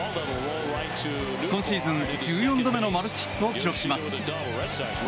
今シーズン１４度目のマルチヒットを記録します。